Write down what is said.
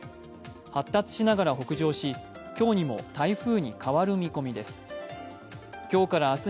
発達しながら北上し、今日にも台風に変わる見込みです。